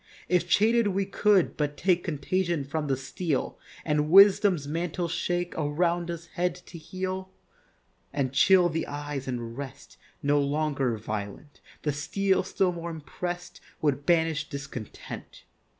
If chain'd we could but take Contagion from the steel, And wisdom's mantle shake Around us head to heel, And chill the eyes and rest No longer violent, The steel, still more imprest, Would banish discontent.